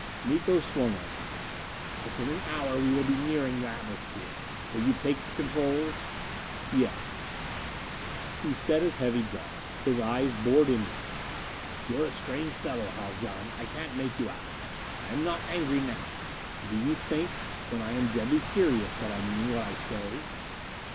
Miko swung on me. "Within an hour we will be nearing the atmosphere. Will you take the controls?" "Yes." He set his heavy jaw. His eyes bored into me. "You're a strange fellow, Haljan. I can't make you out. I am not angry now. Do you think, when I am deadly serious, that I mean what I say?"